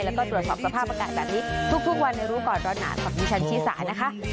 แล้วก็ตรวจสอบสภาพอากาศแบบนี้ทุกวันในรู้ก่อนร้อนหนาวกับดิฉันชิสานะคะ